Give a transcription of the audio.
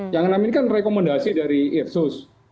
yang enam ini kan rekomendasi dari irsus